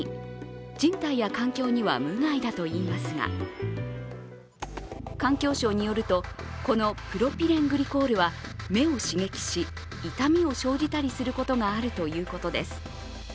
人体や環境には無害だといいますが、環境省によると、このプロピレングリコールは、目を刺激し、痛みを生じたりすることがあるということです。